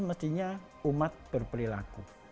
artinya umat berperilaku